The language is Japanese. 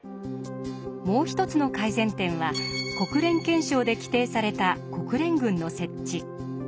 もう一つの改善点は国連憲章で規定された国連軍の設置。